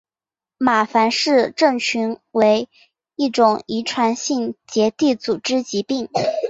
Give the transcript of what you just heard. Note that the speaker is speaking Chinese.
马凡氏症候群为一种遗传性结缔组织疾病。